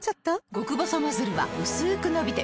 極細ノズルはうすく伸びて